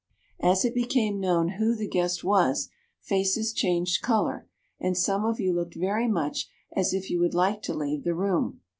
"As it became known who the guest was, faces changed color, and some of you looked very much as if you would like to leave the room.